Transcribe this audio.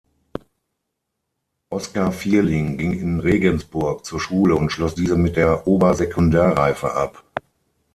Oskar Vierling ging in Regensburg zur Schule und schloss diese mit der Obersekundareife ab.